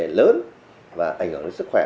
vấn đề lớn và ảnh hưởng đến sức khỏe